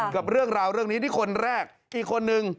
กับเรื่องราวเรื่องนี้ที่คนแรกอีกคนนึง